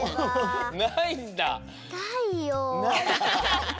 ないんだ。